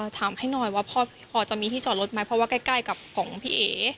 ถามให้หน่อยว่าพ่อพอจะมีที่จอดรถไหมเพราะว่าใกล้กับของพี่เอ๋